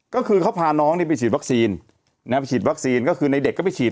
ก็คือเขาพาน้องไปฉีดวัคซีนไปฉีดวัคซีนก็คือในเด็กก็ไปฉีด